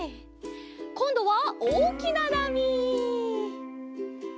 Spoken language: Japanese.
こんどはおおきななみ！